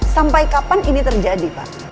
sampai kapan ini terjadi pak